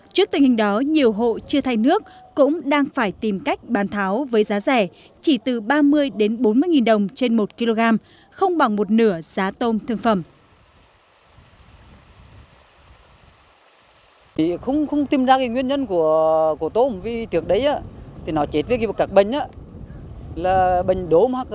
trước tình hình đó nhiều hộ chưa thay nước cũng đang phải tìm cách bán tháo với giá rẻ chỉ từ ba mươi bốn mươi nghìn đồng trên một kg không bằng một nửa giá tôm thương phẩm